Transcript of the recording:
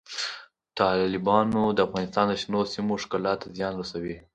تالابونه د افغانستان د شنو سیمو ښکلا ته زیان رسوي.